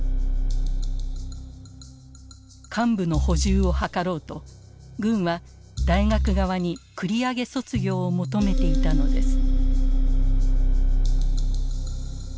幹部の補充を図ろうと軍は大学側に繰り上げ卒業を求めていたのです。